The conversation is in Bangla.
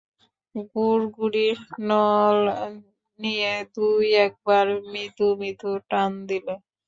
গুড়গুড়ির নল নিয়ে দুই-একবার মৃদু মৃদু টান দিলে।